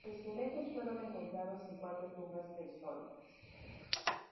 Los esqueletos fueron encontrados en cuatro tumbas prehistóricas.